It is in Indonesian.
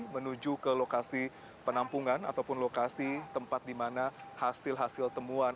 menuju ke lokasi penampungan ataupun lokasi tempat di mana hasil hasil temuan